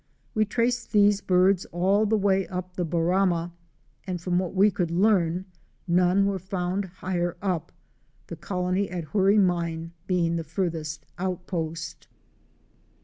We traced these birds all the way up the Barama, and from what we could learn, none were found higher up, the colony at Hoorie Mine being the farthest outpost.